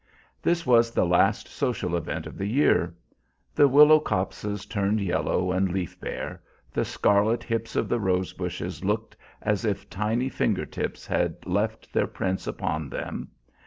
This was the last social event of the year. The willow copses turned yellow and leaf bare; the scarlet hips of the rosebushes looked as if tiny finger tips had left their prints upon them.